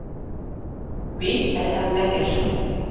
Wî berhev nekir.